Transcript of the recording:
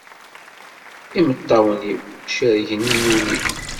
Imeṭṭawen-iw cerrgen-iyi ul-iw!